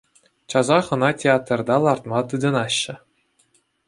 Часах ӑна театрта лартма тытӑнаҫҫӗ.